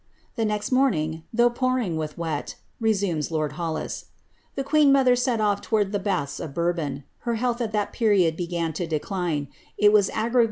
^'^ The next morning, though pouring with nes lord HoUis, ^ the queen mother set off towards the baths L Her health at that period began to decline ; it was aggra* ■che, p.